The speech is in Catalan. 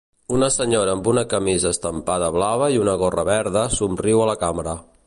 Una senyora amb una camisa estampada blava i una gorra verda somriu a la càmera.